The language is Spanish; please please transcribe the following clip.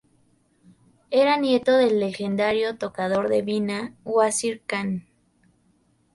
Era el nieto del legendario tocador de vina, Wazir Khan.